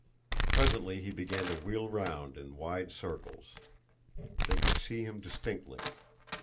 Presently he began to wheel round in wide circles. They could see him distinctly.